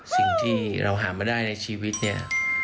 สิ่งที่เราหามาได้ในชีวิตเนี่ย